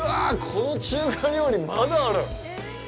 この中華料理まだある！